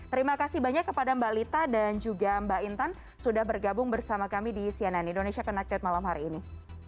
terima kasih banyak kepada mbak lita dan juga mbak intan sudah bergabung bersama kami di cnn indonesia connected malam hari ini